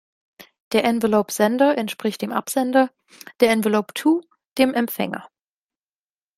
Der Envelope Sender entspricht dem Absender, der "Envelope To" dem Empfänger.